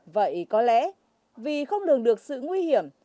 vậy có lẽ vì không lường được sự nguy hiểm